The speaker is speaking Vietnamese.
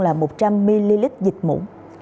là một trăm linh ml dịch mũ